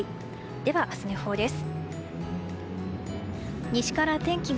では、明日の予報です。